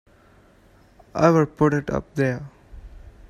I would put it up there!